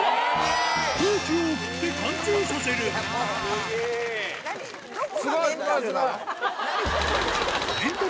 空気を送って貫通させるスゲェ！ＯＫ！